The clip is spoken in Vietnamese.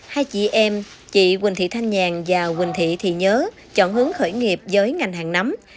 hai chị em chị quỳnh thị thanh nhàn và quỳnh thị thị nhớ chọn hướng khởi nghiệp với ngành hàng nắm